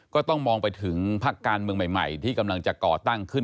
ก็ต้องมองไปถึงพักการเมืองใหม่ที่กำลังจะก่อตั้งขึ้น